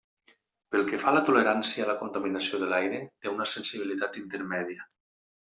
Pel que fa a la tolerància a la contaminació de l'aire té una sensibilitat intermèdia.